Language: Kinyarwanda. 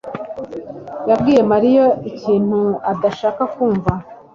yabwiye Mariya ikintu adashaka kumva.